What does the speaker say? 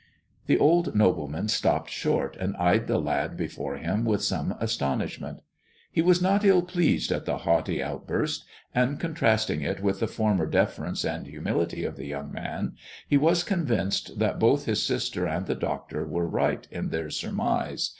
The old nobleman stopped short and eyed the lad before him with some astonishment. He was not ill pleased at the haughty outburst, and contrasting it with the former deference and humility of the young man, he was con vinced that both his sister and the doctor were right THE dwarf's chamber 67 in their surmise.